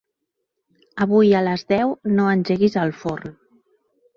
Avui a les deu no engeguis el forn.